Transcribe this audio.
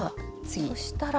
そしたら。